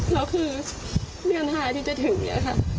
แล้วคือเดือน๕ที่จะถึงเนี่ยค่ะ